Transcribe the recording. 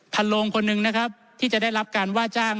โลงคนหนึ่งนะครับที่จะได้รับการว่าจ้าง